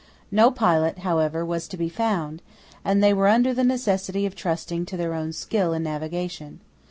No pilot, however was to be found; and they were under the necessity of trusting to their own skill in navigation.